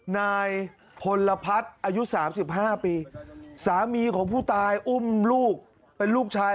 นายพลพัฒน์อายุ๓๕ปีสามีของผู้ตายอุ้มลูกเป็นลูกชาย